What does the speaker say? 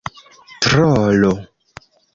trolo